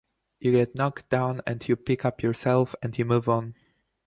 You get knocked down and you pick up yourself and you move on.